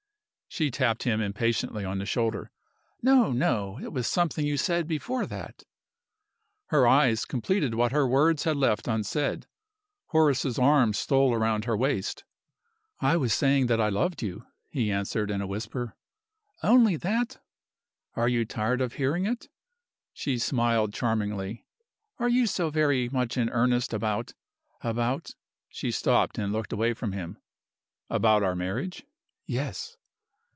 She tapped him impatiently on the shoulder. "No! no! It was something you said before that." Her eyes completed what her words had left unsaid. Horace's arm stole round her waist. "I was saying that I loved you," he answered, in a whisper. "Only that?" "Are you tired of hearing it?" She smiled charmingly. "Are you so very much in earnest about about " She stopped, and looked away from him. "About our marriage?" "Yes."